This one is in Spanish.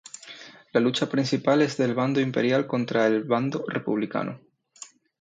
La lucha principal es del bando Imperial contra el bando Republicano.